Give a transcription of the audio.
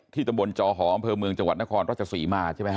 ตำบลจอหออำเภอเมืองจังหวัดนครราชศรีมาใช่ไหมฮ